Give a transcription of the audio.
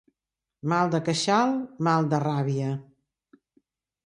Mal de queixal, mal de ràbia.